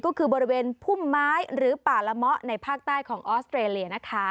ก็คือบริเวณพุ่มไม้หรือป่าละเมาะในภาคใต้ของออสเตรเลียนะคะ